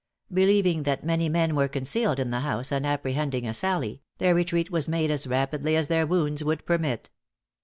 Believing that many men were concealed in the house, and apprehending a sally, their retreat was made as rapidly as their wounds would permit.